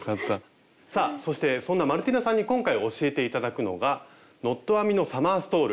さあそしてそんなマルティナさんに今回教えて頂くのが「ノット編みのサマーストール」。